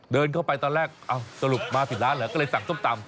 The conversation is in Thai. เดินเข้าไปตอนแรกสรุปมาผิดร้านเหรอก็เลยสั่งส้มตำ